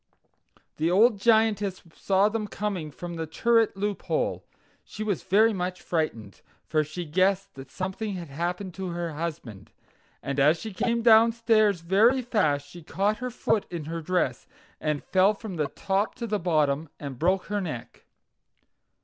The old Giantess saw them coming from the turret loophole. She was very much frightened, for she guessed that something had happened to her husband; and as she came downstairs very fast she caught her foot in her dress, and fell from the top to the bottom and broke her neck.